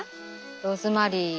ローズマリー。